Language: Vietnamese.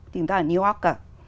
tìm ta ở new yorker